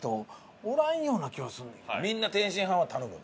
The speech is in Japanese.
みんな天津飯は頼む。